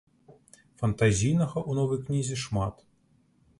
Фантазійнага ў новай кнізе шмат.